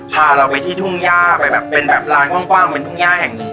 พาเราไปที่ทุ่งย่าไปแบบเป็นแบบร้านกว้างเป็นทุ่งย่าแห่งหนึ่ง